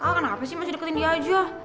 ah kenapa sih masih deketin dia aja